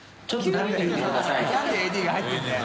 なんでＡＤが入ってるんだよ。